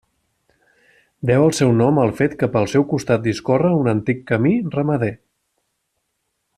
Deu el seu nom al fet que pel seu costat discorre un antic camí ramader.